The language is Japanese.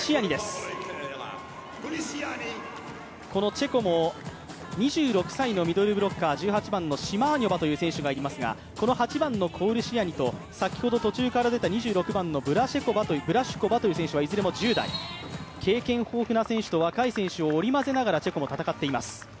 チェコも２６歳のミドルブロッカー、１８番・シマーニョバという選手がいますがこの８番のコウリシアニと先ほど途中から出てきた、２６番のブラシュコバという選手はいずれも１０代、経験豊富な選手と若い選手を織り交ぜながらチェコも戦っています。